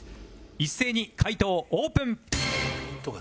一斉に解答オープン！